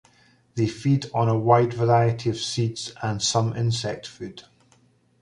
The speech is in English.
They feed on a wide variety of seeds and some insect food.